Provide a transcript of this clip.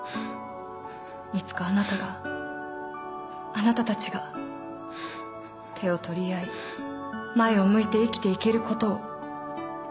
いつかあなたがあなたたちが手を取り合い前を向いて生きていけることを。